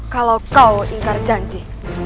kalau kau ingkar janji